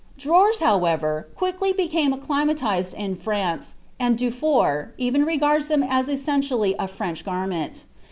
Drawers, however, quickly became acclimatized in France, and Dufour (op. cit., vol. vi, p. 28) even regards them as essentially a French garment.